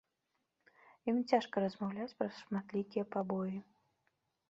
Ім цяжка размаўляць праз шматлікія пабоі.